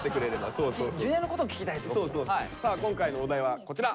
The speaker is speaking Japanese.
さあ今回のお題はこちら。